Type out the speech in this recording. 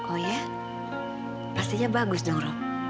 oh ya pastinya bagus dong rok